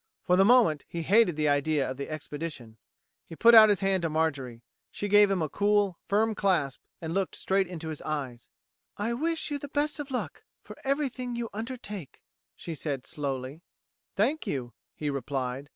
For the moment he hated the idea of the expedition. He put out his hand to Marjorie. She gave him a cool, firm clasp, and looked straight into his eyes. "I wish you the best of luck for everything you undertake," she said slowly. "Thank you," he replied.